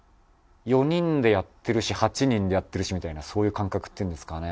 ４人でやってるし８人でやってるしみたいなそういう感覚っていうんですかね。